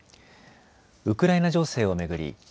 ウクライナ情勢を巡り